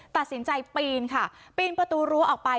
ตัดสินใจปีนค่ะปีนประตูรั้วออกไป